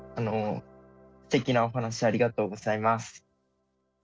すてきなお話ありがとうございます。